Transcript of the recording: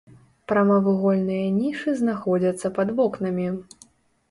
Прамавугольныя нішы знаходзяцца пад вокнамі.